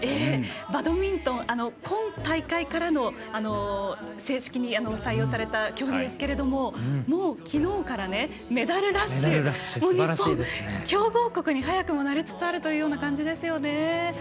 バドミントン今大会から正式に採用された競技ですけれどももう、きのうからメダルラッシュ日本、強豪国に早くもなりつつあるという感じですよね。